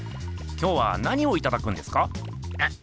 今日は何をいただくんですか？